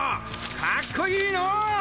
かっこいいのワシ。